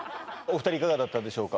二人いかがだったでしょうか？